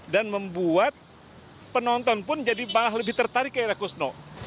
dan membuat penonton pun jadi malah lebih tertarik ke ira kusno